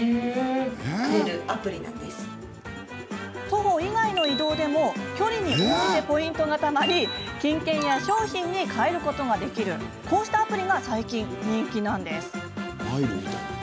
徒歩以外の移動でも距離に応じてポイントがたまり金券や商品に換えることができるこうしたアプリが最近、人気なんです。